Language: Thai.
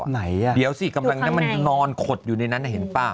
ไหนอ่ะเดี๋ยวสิกำลังนั้นมันนอนขดอยู่ในนั้นเห็นป่ะ